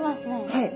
はい。